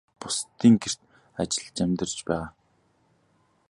Тэр нь халаасандаа мөнгө ч үгүй, бусдын гэрт ажиллаж амьдарч байгаа.